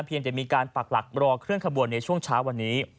จะมีการปักหลักรอเคลื่อนขบวนในช่วงเช้าวันนี้